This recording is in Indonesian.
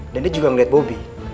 dan dia juga ngeliat bobi